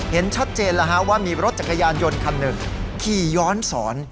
เห็นชัดเจนแล้วว่ามีรถจักรยานยนต์คันหนึ่งขี่ย้อนสอน